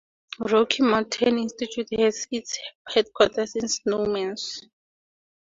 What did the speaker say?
Rocky Mountain Institute has its headquarters in Snowmass.